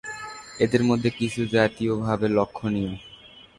এদের মধ্যে কিছু জাতীয়ভাবে লক্ষণীয়।